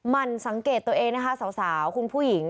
มันสังเกตตัวเองนะคะสาวคุณผู้หญิง